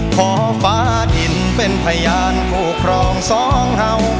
ฟ้าดินเป็นพยานคู่ครองสองเห่า